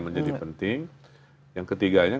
menjadi penting yang ketiganya